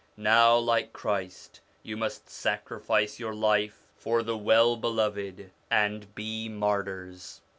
Now, like Christ, you must sacri fice your life for the Well Beloved, and be martyrs.